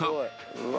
うわ